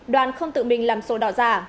đoàn không tự mình làm sổ đỏ giả